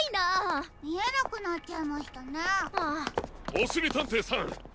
おしりたんていさん